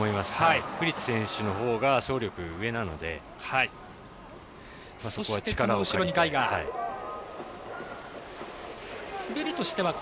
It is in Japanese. フリッツ選手のほうが総力上なので、そこは力を借りて。